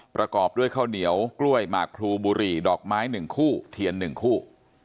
ประกอบด้วยข้าวเหนียวกล้วยหมากพลูบุหรี่ดอกไม้๑คู่เทียน๑คู่